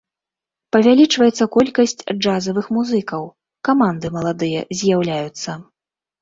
Павялічваецца колькасць джазавых музыкаў, каманды маладыя з'яўляюцца.